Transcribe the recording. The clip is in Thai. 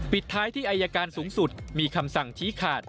ปิดท้ายที่อายการสูงสุดมีคำสั่งชี้ขาด